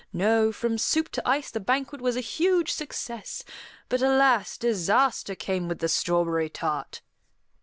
No, from soup to ice the banquet was a huge success; but, alas, disaster came with the strawberry tart.